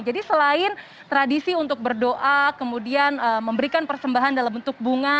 jadi selain tradisi untuk berdoa kemudian memberikan persembahan dalam bentuk bunga